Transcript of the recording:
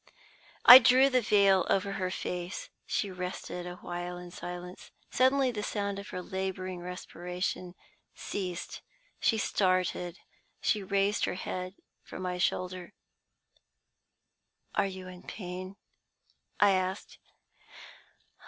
"I drew the veil over her face. She rested a while in silence. Suddenly the sound of her laboring respiration ceased. She started, and raised her head from my shoulder. "'Are you in pain?' I asked.